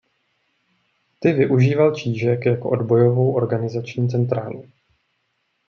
Ty využíval Čížek jako odbojovou organizační centrálu.